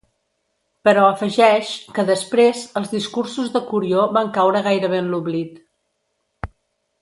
Però afegeix, que després, els discursos de Curió van caure gairebé en l'oblit.